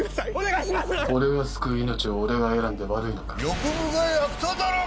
俺が救う生命を俺が選んで悪いのか欲深い悪党だろうが！